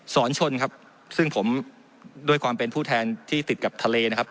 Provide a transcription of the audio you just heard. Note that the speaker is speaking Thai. สอนชนครับซึ่งผมด้วยความเป็นผู้แทนที่ติดกับทะเลนะครับ